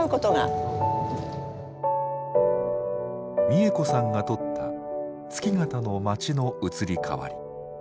三重子さんが撮った月形の町の移り変わり。